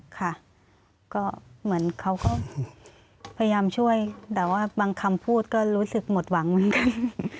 ค่ะก็เหมือนเขาก็พยายามช่วยแต่ว่าบางคำพูดก็รู้สึกหมดหวังเหมือนกัน